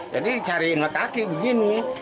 jadi cariin mataknya begini